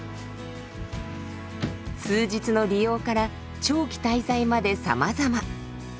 数日の利用から長期滞在までさまざま。